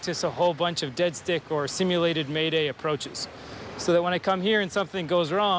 ที่คอยดูแลและประกอบเครื่อง